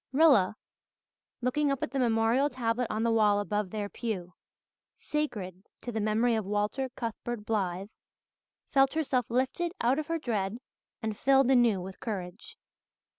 Rilla, looking up at the memorial tablet on the wall above their pew, "sacred to the memory of Walter Cuthbert Blythe," felt herself lifted out of her dread and filled anew with courage.